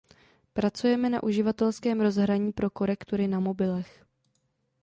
Pracujeme na uživatelském rozhraní pro korektury na mobilech.